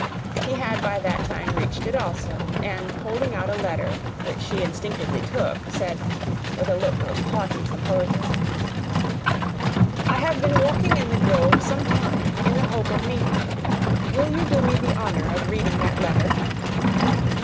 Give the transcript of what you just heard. He had by that time reached it also; and, holding out a letter, which she instinctively took, said, with a look of haughty composure, "I have been walking in the grove some time, in the hope of meeting you. Will you do me the honour of reading that letter?"